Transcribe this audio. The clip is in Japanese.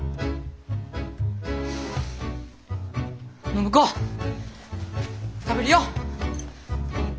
暢子食べるよ！